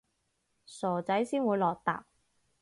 傻仔先會落疊